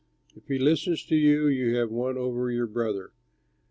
If he listens to you, you have won over your brother.